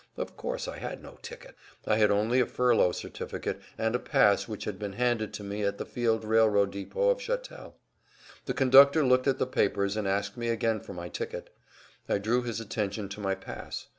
Of course, I had no ticket; I had only a furlough certificate and a pass which had been handed to me at the field railroad depot of Chatel. The conductor looked at the papers and asked me again for my ticket. I drew his attention to my pass.